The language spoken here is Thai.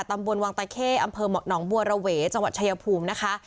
ตำบลวังตะเข้อำเภอหนองบัวระเวจังหวัดชายภูมินะคะ